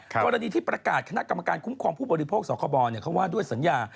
กรณีที่ประกาศคณะกรรมการคุ้มครองผู้บริโภคสคบเขาว่าด้วยสัญญา